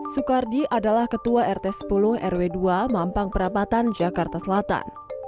soekardi adalah ketua rt sepuluh rw dua mampang perapatan jakarta selatan